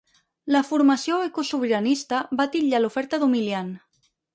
La formació ‘eco-sobiranista’ va titllar l’oferta ‘d’humiliant’.